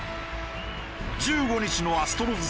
１５日のアストロズ戦。